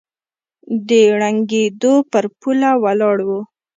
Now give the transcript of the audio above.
د ړنګېدو پر پوله ولاړ و